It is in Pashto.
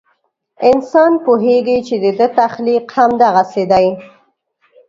انسان پوهېږي چې د ده تخلیق همدغسې دی.